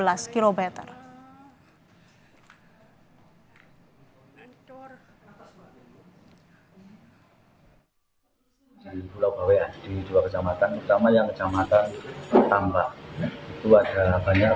hai mentor hai di pulau bawe di dua kejamatan utama yang kejamatan bertambah itu ada banyak